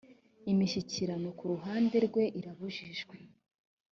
imishyikirano ku ruhande rwe irabujijwe.